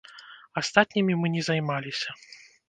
Астатнімі мы не займаліся.